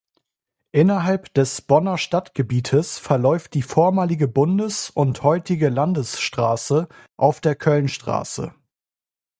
Innerhalb des Bonner Stadtgebietes verläuft die vormalige Bundes- und heutige Landesstraße auf der Kölnstraße.